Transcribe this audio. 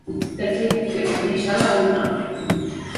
Terceira opción: deixalo abandonado.